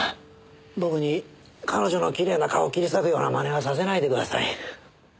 僕に彼女のきれいな顔を切り裂くような真似はさせないでください。